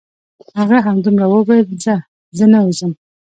هغه همدومره وویل: ځه زه نه وځم.